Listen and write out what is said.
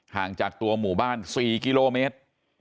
ห่างจากตัวหมู่บ้าน๔กิโลเมตร